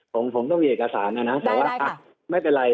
ผมต้องมีเอกสารนะนะแต่ว่าไม่เป็นไร